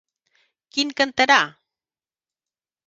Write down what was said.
Quin cantarà?